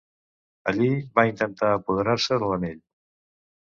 Allí, va intentar apoderar-se de l'Anell.